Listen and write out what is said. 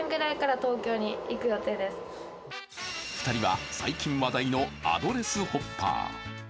２人は最近話題のアドレスホッパー。